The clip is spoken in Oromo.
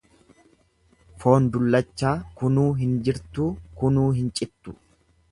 Foon dullachaa kunuu hin jirtuu kunuu hin cittu.